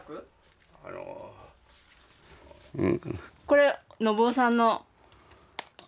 これ信雄さんの。